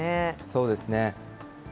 そうですね。